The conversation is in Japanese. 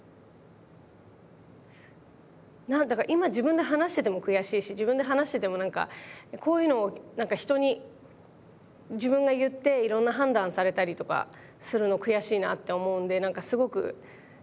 何だか今自分で話してても悔しいし自分で話しててもなんかこういうのなんか人に自分が言っていろんな判断されたりとかするの悔しいなって思うんでなんかすごくしゃべりづらいんですけどなんか。